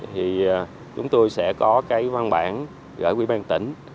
thì chúng tôi sẽ có cái văn bản gửi quỹ ban tỉnh